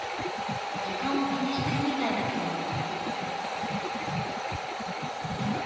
時間を気にしてるみたいだけど。